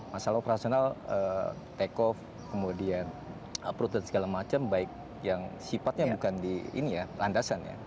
masalah operasional take off kemudian upload dan segala macam baik yang sifatnya bukan di ini ya landasan ya